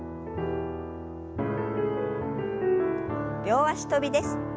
両脚跳びです。